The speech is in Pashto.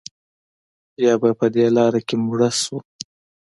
یا به په دې لاره کې مړه شو.